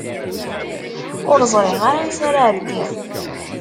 Ur ẓṛiɣ ara ansa ara ɛeddiɣ.